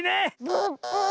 ブッブー！